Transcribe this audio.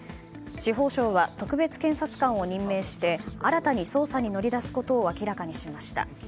司法省は、特別検察官を任命して新たに捜査に乗り出すことを明らかにしました。